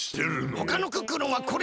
ほかのクックルンはこれでいいのか？